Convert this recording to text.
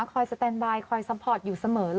คอยสแตนบายคอยซัพพอร์ตอยู่เสมอเลยนะ